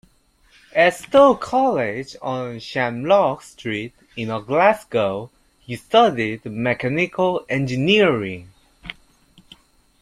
At Stow College on "Shamrock Street" in Glasgow he studied Mechanical Engineering.